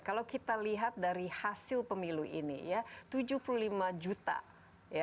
kalau kita lihat dari hasil pemilu ini ya tujuh puluh lima juta ya